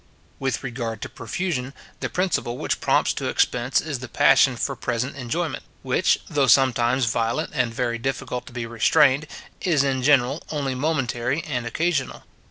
With regard to profusion, the principle which prompts to expense is the passion for present enjoyment; which, though sometimes violent and very difficult to be restrained, is in general only momentary and occasional.